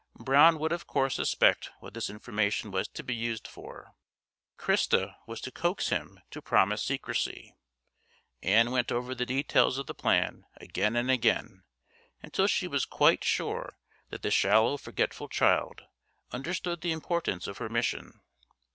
Brown would of course suspect what this information was to be used for. Christa was to coax him to promise secrecy. Ann went over the details of the plan again and again, until she was quite sure that the shallow forgetful child understood the importance of her mission.